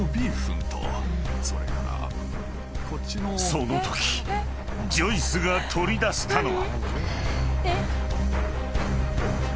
［そのときジョイスが取り出したのは］